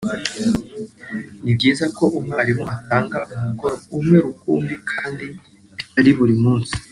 Ni byiza ko umwarimu atanga umukoro umwe rukumbi kandi bitari buri munsi